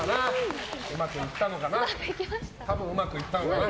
うまくいったのかな。